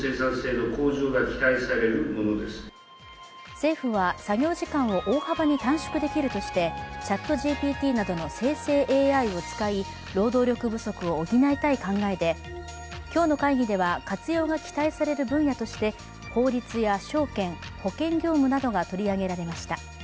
政府は作業時間を大幅に短縮できるとしてＣｈａｔＧＰＴなどの生成ＡＩを使い労働力不足を補いたい考えで、今日の会議では活用が期待される分野として法律や証券、保険業務などが取り上げられました。